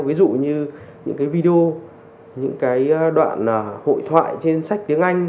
ví dụ như những cái video những cái đoạn hội thoại trên sách tiếng anh